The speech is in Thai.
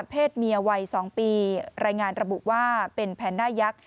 เพศเมียวัย๒ปีรายงานระบุว่าเป็นแพนด้ายักษ์